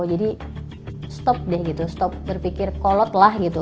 jadi stop deh gitu stop berpikir kolot lah gitu